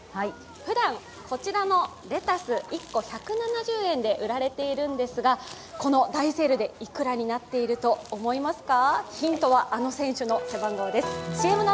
ふだんこちらのレタス、１個１７０円で売られているんですがこの大セールでいくらになっていると思いますか？